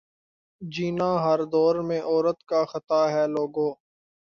جینا ہر دور میں عورت کا خطا ہے لوگو